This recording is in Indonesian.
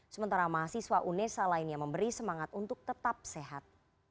sementara mahasiswa unesa lainnya memberi semangat untuk tetap sehat